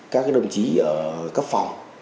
các đồng chí ở cấp phòng